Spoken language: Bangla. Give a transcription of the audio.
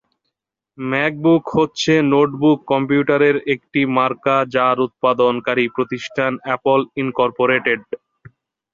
ম্যাকবুক হচ্ছে নোটবুক কম্পিউটারের একটি মার্কা যার উৎপাদন কারি প্রতিষ্ঠান অ্যাপল ইনকর্পোরেটেড।